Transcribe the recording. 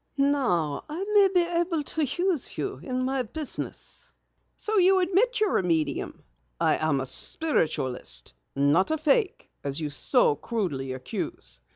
Now I may be able to use you in my business." "You admit that you're a medium?" "I am a spiritualist. Not a fake, as you so crudely accuse.